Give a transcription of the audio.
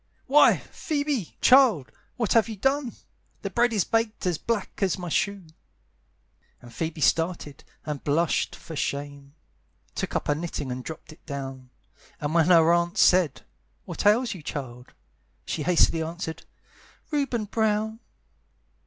"Why, Phoebe, child, what have you done? The bread is baked as black as my shoe!" And Phoebe started, and blushed for shame, Took up her knitting and dropped it down; And when her aunt said, "What ails you, child?" She hastily answered, "Reuben Brown."